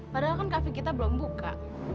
padahal kan cafe kita belum buka